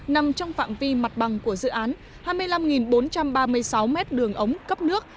nằm trong phạm vi mặt bằng của dự án hai mươi năm bốn trăm ba mươi sáu mét đường ống cấp nước